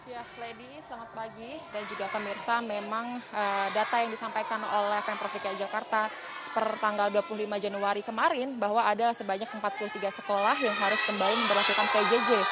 ya lady selamat pagi dan juga pemirsa memang data yang disampaikan oleh pemprov dki jakarta per tanggal dua puluh lima januari kemarin bahwa ada sebanyak empat puluh tiga sekolah yang harus kembali memperlakukan pjj